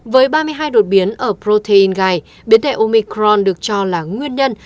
với ba mươi hai đột biến ở protein gai biến thể omicron được cho là nguyên nhân